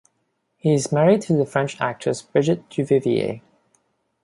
He is married to the French actress Brigitte Duvivier.